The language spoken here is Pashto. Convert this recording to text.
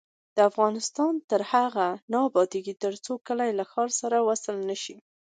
افغانستان تر هغو نه ابادیږي، ترڅو کلي له ښار سره وصل نشي.